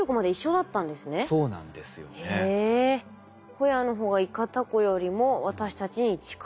ホヤの方がイカ・タコよりも私たちに近いと。